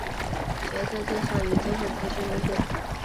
角色介绍以最后结局为准。